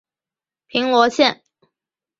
平罗线